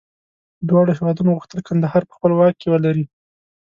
دواړو هېوادونو غوښتل کندهار په خپل واک کې ولري.